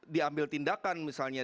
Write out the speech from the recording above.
diambil tindakan misalnya